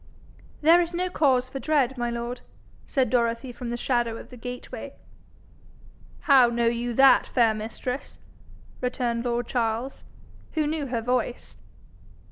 'There is no cause for dread, my lord,' said Dorothy from the shadow of the gateway. 'How know you that, fair mistress?' returned lord Charles, who knew her voice.